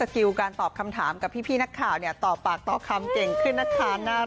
คือต้องโผล่จากน้ำอะไรอย่างนี้